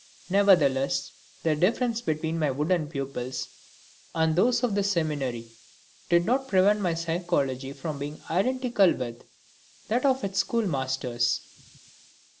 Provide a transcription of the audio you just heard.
Nevertheless the difference between my wooden pupils and those of the Seminary did not prevent my psychology from being identical with that of its schoolmasters.